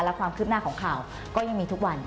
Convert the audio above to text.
และความคืบหน้าของข่าวก็ยังมีทุกวัน